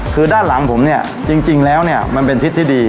คือด้านหลังผมเนี่ยจริงแล้วเนี่ยมันเป็นทิศที่ดี